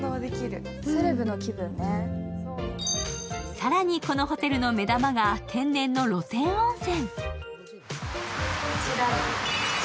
更に、このホテルの目玉が天然の露天温泉。